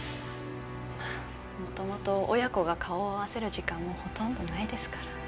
まあ元々親子が顔を合わせる時間もほとんどないですから。